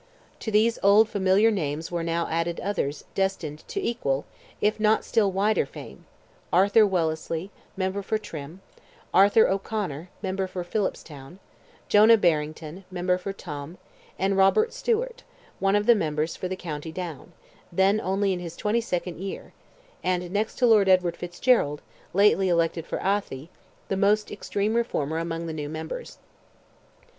To these old familiar names were now added others destined to equal, if not still wider fame—Arthur Wellesley, member for Trim; Arthur O'Conor, member for Phillipstown; Jonah Barrington, member for Tuam; and Robert Stewart, one of the members for the County Down, then only in his twenty second year, and, next to Lord Edward Fitzgerald, lately elected for Athy, the most extreme reformer among the new members.